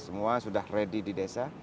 semua sudah ready di desa